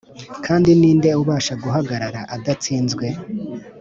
kandi ni nde ubasha guhagarara adatsinzwe?”